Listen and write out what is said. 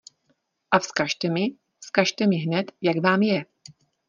A vzkažte mi, vzkažte mi hned, jak vám je!